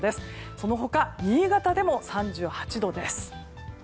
その他、新潟でも３８度です。